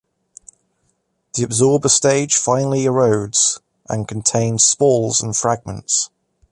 The absorber stage finally erodes and contains spalls and fragments.